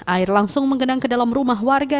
air langsung menggenang ke dalam rumah warga